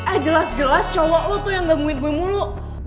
eh jelas jelas cowok lo tuh yang gangguin gue mulu